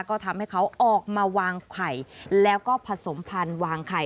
ก็ทำให้เขาออกมาวางไข่แล้วก็ผสมพันธุ์วางไข่